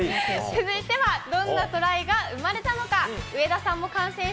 続いてはどんなトライが生まれたのか。